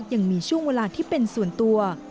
ยังมีช่วงเวลาที่เป็นส่วนตัว